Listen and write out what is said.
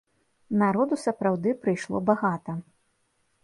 Народу сапраўды прыйшло багата.